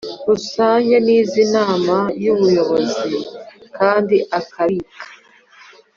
Rusange n iz inama y ubuyobozi kandi akabika